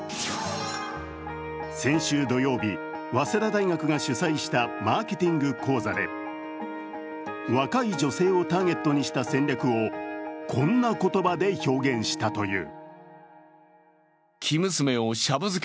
先週土曜日、早稲田大学が主催したマーケティング講座で、若い女性をターゲットにした戦略をこんな言葉で表現したという。